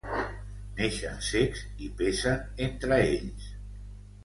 Neixen cecs i pesen entre ells.